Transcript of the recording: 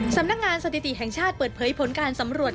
สำนักงานสถิติแห่งชาติเปิดเผยผลการสำรวจ